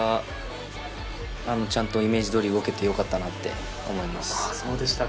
ちゃんとイメージどおり動けてよかったなと思います。